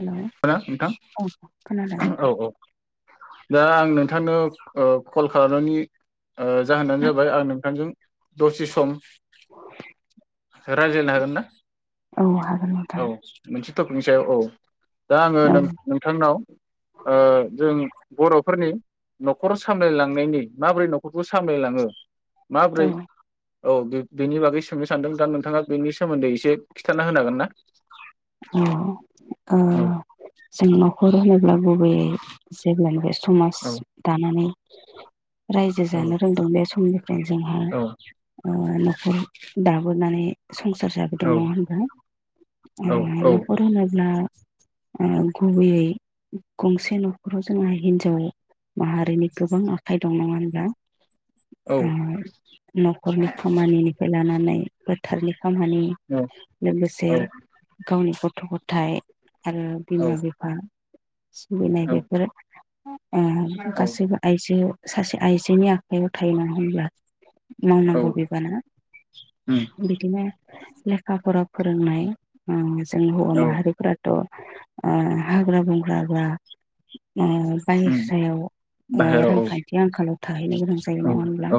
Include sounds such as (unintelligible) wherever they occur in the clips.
Hello (unintelligible) औ खोनादों नोंथां नोंथां औ औ दा आं नोंथांनो ओ कल खालामनायनि ओ जाहोनानो जाबाय आं नोंथांजों दसे सम औ हागोन नोंथां औ मोनसे टपिकनि सायाव औ दा आङो औ नों नोंथांनाव ओ जों बरफोरनि नखर सामलायलांनायनि माबोरै नख खौ सामलायलाङो औ माबोरै? औ बेनि बागै सोंनो सानदों दा नोंथाङा बेनि सोमोन्दै एसे खिथाना होनो हागोन ना? (inaudible) आ औ जों नखर (unintelligible) गुबैयै जेब्लायबो समाज औ दानानै रायजो जानो रोंदों बे समनिफ्रायनो जोंहा औ ओ नखर दाबोनानै संसार जाबोदों औ नङा होनबा उम औ नखर होनोब्ला ओ गुबैयै गंसे नखराव जोंहा हिनजाव माहारिनि गोबां आखाइ दं नङा होनबा? औ ओ नखरनि खामानिनिफ्राय लानानै बोथोरनि खामानि लोगोसे औ गावनि गथ गथाय आरो बिमा औ बिफा सिबिनाय बेफोर ओ औ गासैबो आइजो सासे आइजोनि आखायाव थायो नालाय होमब्ला मावनांगौ बिबाना बिदिनो लेखा फरा फोरोंनाय ओं जों हौवा औ माहारिफ्राथ' ओ हाग्रा बंग्रा बा ओ उम बाहेरायाव बाहेराव रांखान्थि आंखालाव थाहैनो गोनां जायो औ नङा होनब्ला? औ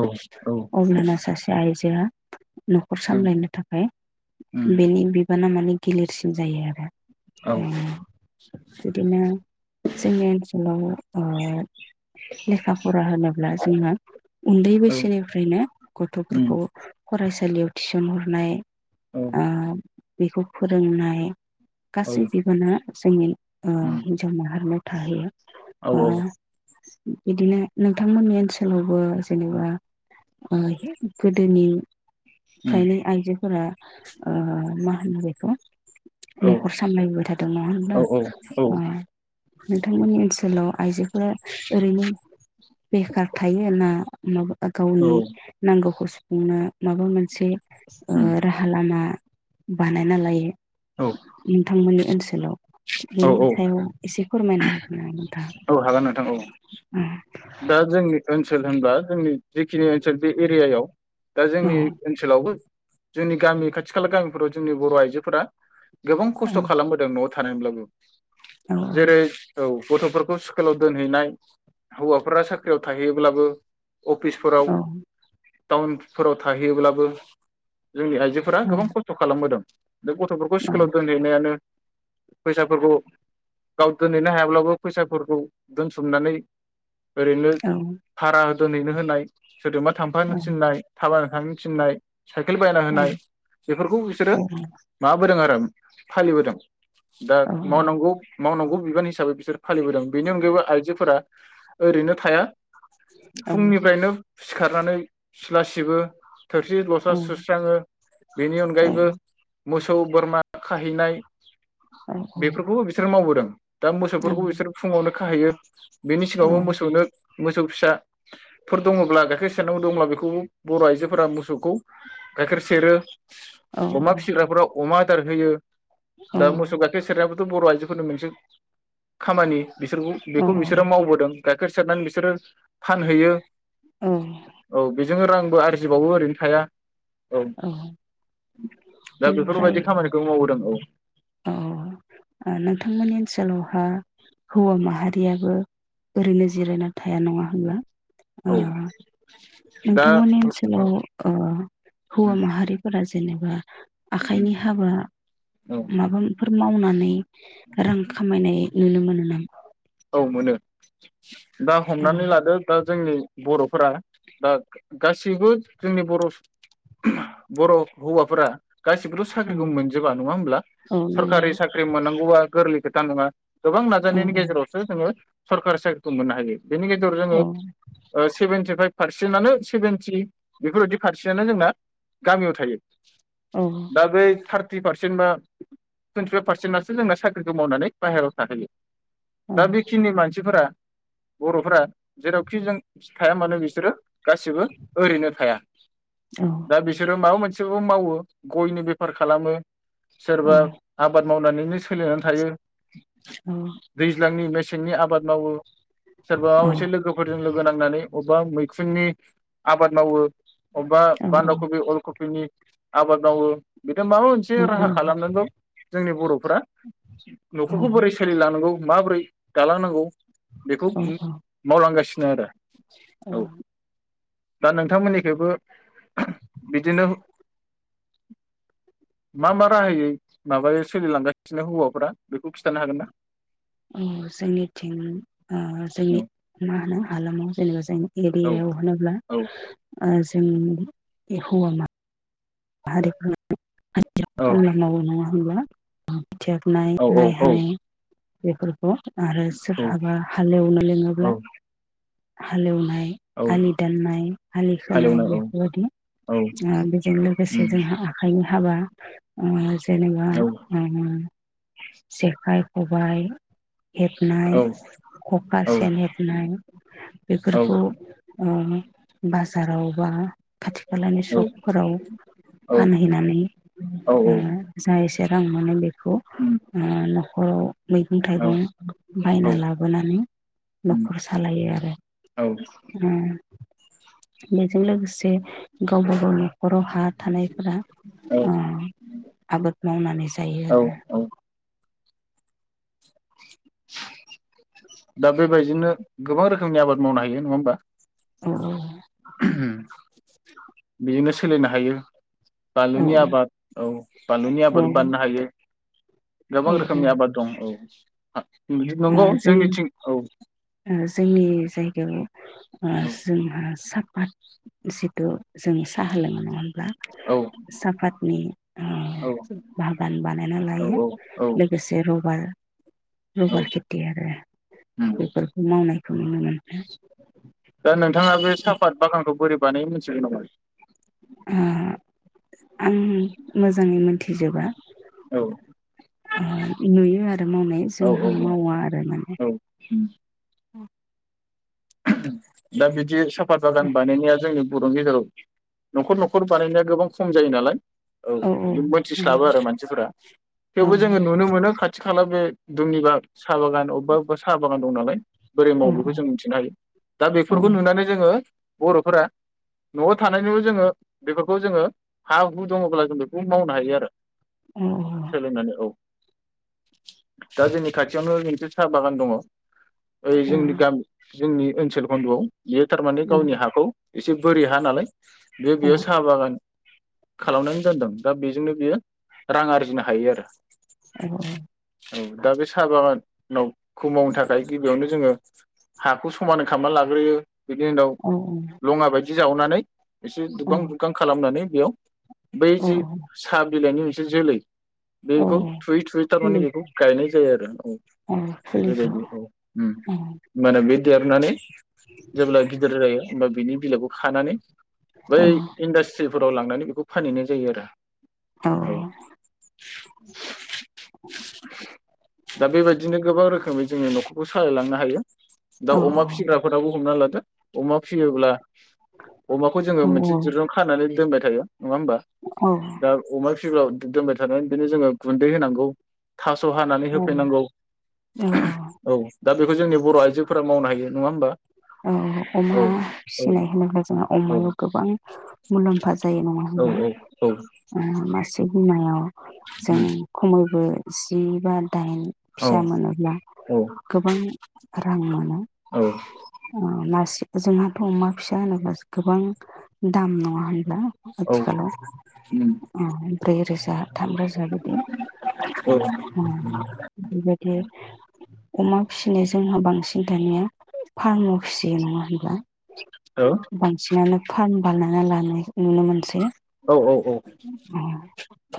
औ अब्लाना सासे आइजोआ नखर औ सामलायनो थाखाय उम बेनि बि बाना माने गिलिरसिम जायो आरो। औ ओ बिदिनो जोंनि ओन्सोलाव ओ लेखा फरा होनो ब्ला जोंहा उन्दै बैसोनिफ्रायनो उम गथफोरखौ फरायसा सालियाव थिसन हरनाय औ ओ बेखौ फोरोंनाय औ गासै बिबाना जोंनि ओ उम हिनजाव माहारिनाव थाहैयो। औ ओ औ बिदिनो नोंथांमोननि ओन्सोलावबो जेनेबा ओ गोदोनि उम फायनै आइजोफोरा ओ मा होनो बेखौ नखर सामलायबोबाइ थादों नङा होनब्ला? ओ नोंथांमोननि ओन्सोलाव आइजो फोरा ओरैनो बेखार थायो ना नखर बा गावनि नांगौ खौ सु बुंनो माबा मोनसे ओ राहा लामा बानायना लायो औ नोंथां मोननि ओनसोलाव बेनि औ सायाव एसे फोरमायनो उम औ हागोन नोंथां औ दा जोंनि ओनसोल होनब्ला जोंनि जिखिनि ओनसोल बे एरियायाव दा औ जोंनि ओनसोलावबो जोंनि गामि खाथि खाला गामिफोराव जोंनि बर आइजोफोरा गोबां खस्थ औ खालामबोदों न औ (unintelligible) जेरै औ गथफोरखौ स्कुलाव दोनहैनाय हौवाफोरा साख्रियाव थाहैयोब्लाबो अफिसफोराव औ टाउनफोराव थाहैयोब्लाबो जोंनि आइजोफोरा औ गोबां खस्थ खालामबोदों बे गथफोरखौ औ स्कुलाव दोनहैनायानो फैसाफोरखौ गाव दोनहैनो हायाब्लाबो फैसाफोरखौ दोनथुमनानै ओरैनो औ भारा दोनहैनो होनाय सोरजोंबा थांफानो थिननाय थाबाय थांनो थिननाय साइकेल बायना होनाय बेफोरखौ बिसोरो माबाबोदों आरो फालिबोदों दा मावनांगौ मावनांगौ बिबान हिसाबै बिसोर फालिबोदों बेनि अनगायैबो आइजोफोरा ओरैनो थाया फुंनिफ्रायनो सिखारनानै सिला सिबो थोरसि लथा सुस्राङो बेनि अनगायैबो मोसौ बोरमा खाहैनाय बेफोरखौबो बिसोर मावबोदों। दा मोसौफोरखौ बिसोर फुङावनो। खाहैयो। बेनि सिगाङावबो मोसौनो। मोसौ फिसाफोर दङब्ला गाइखेर सेरनांगौ दंब्ला बेखौबो बर आइजोफोरा मोसौखौ गाइखेर सेरो अमा फिसिग्राफोराव अमा। आदार होयो। दा मोसौ गाइखेर सेरनायावबो। बर' आइजोफोरनि मोनसे खामानि बिसोरखौ बेखौ मिस औ औ बोदों गाइखेर सेरनानै बिसोरो फानहैयो। औ। जोङो रांबो आरजिबावो ओरैनो थाया। औ दा बेनिफ्राय बेफोरबायदि खामानिखौ मावबोदों। औ। औ नोंथांमोननि ओनसोलावहा हौवा माहारियाबो ओरैनो जिरायना थाया नङा होनब्ला। ओ औ। दा नोंथांमोननि ओनसोलाव ओ हौवा माहारिफोरा। जेनेबा। आखाइनि हाबा औ माबाफोर मावनानै। नै। रां खामायनाय। नुनो मोनो नामा। औ मोनो। दा हमनानै लादो दा। जोंनि बर'फोरा दा गासिबो जोंनि बर' सुह बर' हौवाफोरा गासिबोथ औ साख्रिखौ मोनजोबा नङा होमब्ला औ नंगौ सरकारि साख्रि मोननांगौवा। गोरलै खोथा नङा। गोबां औ नाजानायनि औ गेजेराव। जोङो सरकारि साख्रिखौ मोननो हायो। बिनि गेजेराव जोङो सेभेनटि फाइभ। पारसेन्टआनो सेभेेनटि बेफोरबायदि फारसेटआनो जोंना गामियाव थायो औ दा ब्रै थार थ्रि पारसेन्ट बा टुइन्टिफाइभ पार्सेन्टनासो जोंना साख्रिखौ मावनानै बाहहेरायाव थाहैयो। औ दा बेखिनि मानसिफोरा बरफोरा जेरावखि जों थाया मानो बिसोरो गासिबो ओरैनो थाया औ दा बिसोरो माबा मोनस सोरबो मावो गयनि बेफार खालामो। सोरबा आबाद मावनानैनो सोलिनानै थायो। औ दैज्लांनि मेसेंनि आबाद मावो सोरबा माबा मोनसे लोगोफोरजों लोग गो नांनानै अबेबा मैखुननि आबाद मावो अबेबा औ बान्दा औ कपि, अल कपिनि आबाद मावो बेदिनो माबा मोनसे राहा खालामनानैबाबो जोंनि बरफोरा नखरखौ बोरै सोलिलांनांगौ माब्रै दालांनांगौ बेखौ उम मावलांगासि नो आरो ओ औ दा नोंथांमोननिखैबो बिदिनो मा मा राहायै माबायो सोलिलांगासिनो हौवाफोरा बेखौ खिन्थानो हागोन ना? अ जोंनिथिं ओ जोंनि मा होनो हालामाव जेनेबा जों औ एरियायाव होनोब्ला औ ओ जो जों ए हौवा मा हारिफोरा हाजिरा औ खामला मावो नङा होमब्ला थिया फुनाय औ माइ हानाय बेफोरखौ आरो सोरहाबा हालेवनो औ लिङोब्ला हालेवनाय औ आलि दाननाय, आलि खोनाय हालेवनाय औ बेफोरबायदि औ ओ बेजों लोगोस उम जोंहा आखाइनि हाबा ओ जेनेबा औ ओ जेखाइ, खबाय हेबनाय औ खखा, औ सेन हेबनाय बेफोरखौ बाजाराव बा खाथि खालानि औ सकफोराव औ फानहैनानै औ ओ जा एसे रां मोनो बेखौ उम नखराव मैगं औ थाइगं औ बायना लाबोनानै उम नखर सालायो आरो। बे जों लोगोसे गावबा गाव नखराव हा थानायफोरा औ आबाद मावनानै जायो औ आरो। औ दा बेबायदिनो गोबां रोखोमनि आबाद मावनो हायो नङा होमबा। औ औ। बिजोंनो सोलिनो हायो। बानलुनि आबाद औ बानलुनि औ आबाद औ बाननो हायो। गोबां औ रोखोमनि आबाद दं औ। (inaudible) ओ जों जोंनिथिं औ ओ जोंनि जायगायाव ओ औ जोंहा साफात जिथु जों साहा लोंङो औ साफातनि अ बागान बानायना औ लायो औ लोगोसे रबार औ रबार खेथि आरो उम बेफोरखौ मावनायखौ नुनो मोनो। दा नोंथाङा बे साफात बागानखौ बोरै बानायो मोन्थिगोन‌ नामा नों? ओ आं मोजाङै मोन्थिजोबा। औ ओ नुयो आरो मावनाय औ जोंहा औ मावा आरो माने। औ (inaudible) उम दा बिदि सा फात बानायनाया जोंनि बर'नि गेजेराव नखर नखर बानायनाया गोबां खम जायो नालाय औ बिदि औ मोनथिस्लाबो आरो मानसिफोरा औ थेवबो जोङो नुनो मोनो खाथि खाथि खाला बे दुमनिब साह बागान अबेबा बबेबा साहा बागान दं नालाय बोरै औ मावो बेखौ जों मिन्थिनो हायो। दा औ बेफोरखौ नुनानै जोङो बर'फोरा नआव थानायनि जोङो बेफोरखौ जोङो हा हु दङब्ला जों बेखौ मावनो हायो आरो। औ सोलोंनानै औ। दा जोंनि खाथियावनो मोनसे साहा बागान दङ। ओइ जोंनि गामि जोंनि ओनसोल खन्द'आव इयो थारमाने गावनि हाखौ एसे बोरि हा नालाय बियो बेयाव सा बागान खालामनानै दोनदों दा बेजोंनो बियो रां आरजिनो हायो आरो। ओं औ औ दा बे सा बागान-नाव खौ मावनो थाखाय गिबियावनो जोङो हाखौ समान खामना लाग्रोयो बिनि उनाव लङा बायदि दि जावनानै इसे औ दुबगां दुबगां खालामनानै बेयाव बै औ जि साब बिलाइनि मोनसे जोलै औ बेखौ थुयै थुयै थारमाने फुलि बेखौ गायनाय जा यो आरो औ फुलिखौ ओम। होनबानो बे देरनानै जेब्ला गिदिर जायो होनबा बिनि बिलाइखौ खानानै बै औ इनडास्ट्रि फोराव लांनानै बेखौ फानहैनाय जायो आरो। औ दा बेबादिनो गोबां रोखोमै जोङो न'खरखौ सालायलांनो हायो। दा औ अमा फिसिग्राफोराबो हमना लादो अमा फिसियोब्ला अमाखौ जोङो मोनसे दिरुं खानानै दोनबाय थायो नङा होमबा? औ दा अमा फिसिबा दोनबाय थानानै बिदिनो जोङो गुन्दै होनांगौ। थास' हानानै औ होफैनांगौ औ औ दा बेखौ जोंनि बर' आइजो जोफोरा मावनो हायो नङा होमबा? औ औ अमा औ फिसिनाय होनोब्ला जोंहा औ अमायाव गोबां मुलाम्फा जायो नङा औ होनब्ला औ ओ मासे बिमायाव जों खमैबो जि बा। दाइन औ फिसा मोनोब्ला औ गोबां रां मोनो। औ नारसे जोंहाथ अमा फिसा होनोब्ला। गोबां। दाम नङा होनब्ला। औ आथिखालाव ओ ब्रै रोजा थाम रोजा बिदि ओम बेबायदि अमा फिसिनो जोंहा बां सिन्थानिया फार्म। खुसि नङा होनब्ला। बांसिनानो। फार्म बानायना लानाय नुनो मोनसै। औ औ औ ओ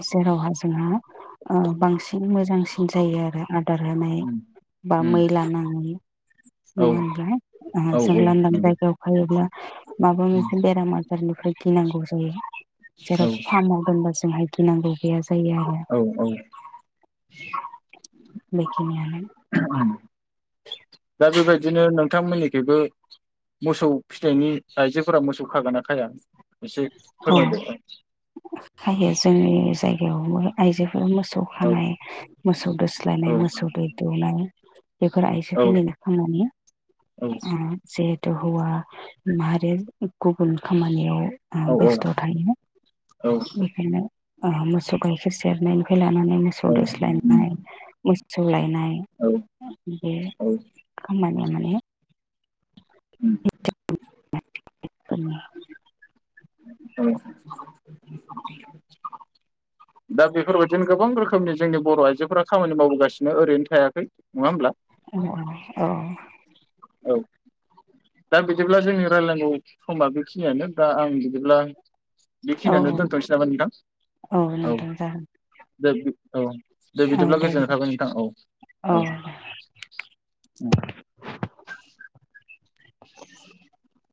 जेरावहा जोंहा ओ बांसिन मोजांसिन जायो आरो आ आदार होनाय उम बा उम मैला नाङै औ नङा होनब्ला औ जों लांदां नंगौ जायगायाव थायोब्ला माबा मोनसे बेराम आजारनिफ्राय गिनांगौ जायो औ जेराव। फार्माव दोनबा जोंहाय गिनांगौ। गैया जायो आरो औ औ बेखिनियानो ओम दा बेबायदिनो नों थांमोननिखैबो मोसौ फिथाइनि आइजोफोरा मोसौ खागोन ना खाया। एसे अह फोरमायदो खायो जोंनि बेयावबो आइजोफोरा मोसौ औ खानाय मोसौ दोस्लायनाय औ मोसौ दै दौनाय। (inaudible) बेफोर औ आइजोफोरनिनो खामानि। औ अह जे त हौवा माहारिर गुबुन खामानियाव ओ बेस्थ औ थायो औ बेखायनो ओ मोसौ गाइखो सेरनायनि‌ माने मोसौ दोस्लायनाय मोस सौलाय। नाय बे औ औ खामान (unintelligible) माने। उम। (unintelligible) दा बेफोरबायदिनो गोबां रोखोमनि जोंनि बर आइजोफोरा खामानि मावबोगासिनो ओरैनो थायाखै नङा होमब्ला। औ औ औ। औ दा बिदिब्ला जोंनि रायलानांगौ समा बेखिनियानो दा आं बिदिब्ला औ बेखिनियानो दोनथनोसै नामा नोंथां औ। नोंथां जागोन औ दे बिदिब्ला गोजोननाय थाबाय नोंथां औ औ औ (inaudible)